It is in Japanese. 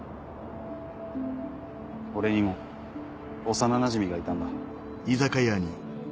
俺にも幼なじみがいたんだ。